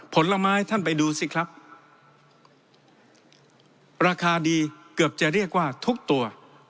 ผลไม้ท่านไปดูสิครับราคาดีเกือบจะเรียกว่าทุกตัว